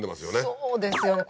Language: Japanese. そうですよね